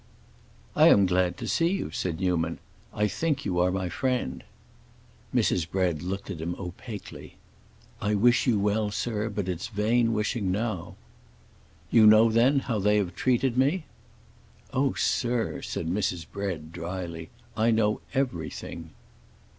"I am glad to see you," said Newman; "I think you are my friend." Mrs. Bread looked at him opaquely. "I wish you well sir; but it's vain wishing now." "You know, then, how they have treated me?" "Oh, sir," said Mrs. Bread, dryly, "I know everything."